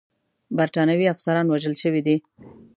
برټانوي افسران وژل شوي دي.